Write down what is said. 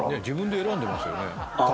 自分で選んでますよね。